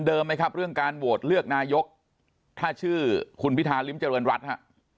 ไหมครับเรื่องการโหวตเลือกนายกถ้าชื่อคุณพิธาริมเจริญรัฐฮะ